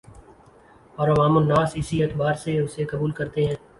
اور عوام الناس اسی اعتبار سے اسے قبول کرتے ہیں